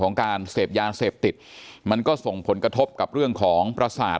การเสพยาเสพติดมันก็ส่งผลกระทบกับเรื่องของประสาท